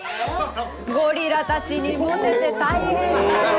ゴリラたちにモテて大変だね